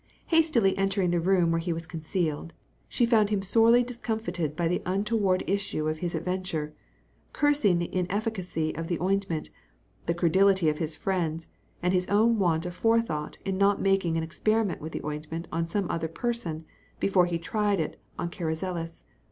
Hastily entering the room where he was concealed, she found him sorely discomfited by the untoward issue of his adventure, cursing the inefficiency of the ointment, the credulity of his friends, and his own want of forethought in not making an experiment with the ointment on some other person before he tried its effect on Carrizales.